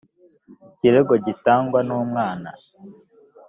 ikirego gitangwa n umwana